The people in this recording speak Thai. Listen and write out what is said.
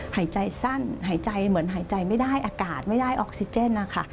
หายใจสั้นหายใจเหมือนหายใจไม่ได้อากาศไม่ได้ออกซิเจนนะคะ